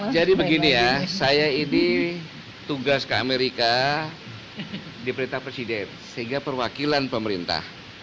jadi begini ya saya ini tugas ke amerika di perintah presiden sehingga perwakilan pemerintah